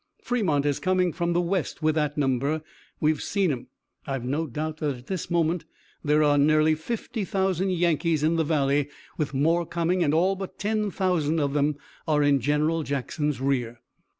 Fremont is coming from the west with that number. We've seen 'em. I've no doubt that at this moment there are nearly fifty thousand Yankees in the valley, with more coming, and all but ten thousand of them are in General Jackson's rear."